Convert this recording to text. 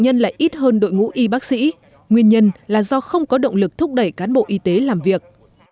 nhân lại ít hơn đội ngũ y bác sĩ nguyên nhân là do không có động lực thúc đẩy cán bộ y tế làm việc